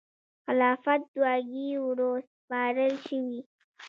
خلافت واګې وروسپارل شوې.